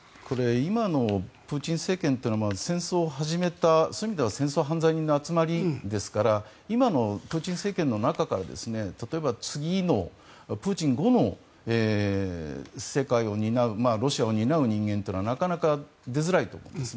今のプーチン政権というのは戦争を始めたそういう意味では戦争犯罪人の集まりですから今のプーチン政権の中から例えば次のプーチン後の政界を担うロシアを担う人間というのはなかなか出づらいと思います。